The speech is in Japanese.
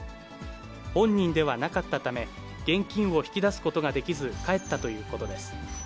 本人ではなかったため、現金を引き出すことができず、帰ったということです。